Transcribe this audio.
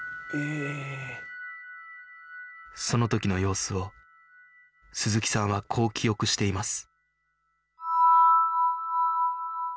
その時の様子を鈴木さんはこう記憶しています